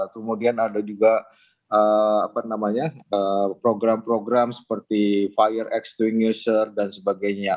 kemudian ada juga program program seperti fire extin user dan sebagainya